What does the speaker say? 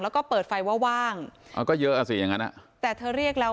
แล้วก็เปิดไฟว่าว่างเอาก็เยอะอ่ะสิอย่างงั้นอ่ะแต่เธอเรียกแล้ว